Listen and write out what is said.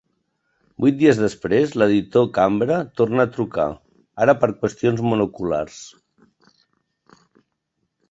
Vuit dies després, l'editor Cambra torna a trucar, ara per qüestions monoculars.